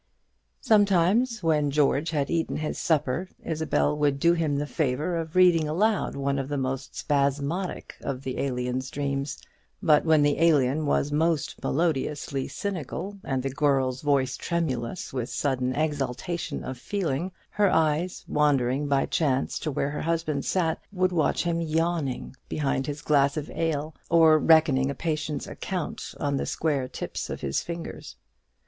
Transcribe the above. Sometimes, when George had eaten his supper, Isabel would do him the favour of reading aloud one of the most spasmodic of the Alien's dreams. But when the Alien was most melodiously cynical, and the girl's voice tremulous with sudden exaltation of feeling, her eyes, wandering by chance to where her husband sat, would watch him yawning behind his glass of ale, or reckoning a patient's account on the square tips of his fingers.